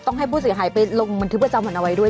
ให้ผู้เสียหายไปลงบันทึกประจำวันเอาไว้ด้วย